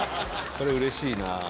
「これうれしいなあ」